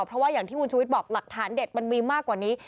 เพราะว่าอย่างที่คุณชุวิตบอกหลักฐานเด็ดมันมีมากกว่านี้